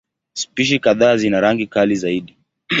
Spishi kadhaa zina rangi kali zaidi.